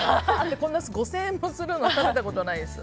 こんな５０００円もするようなの食べたことないです。